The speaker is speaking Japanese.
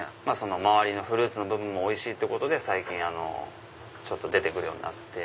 周りのフルーツの部分もおいしいってことで最近出て来るようになって。